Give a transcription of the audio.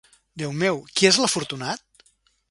Déu meu! Qui és l'afortunat?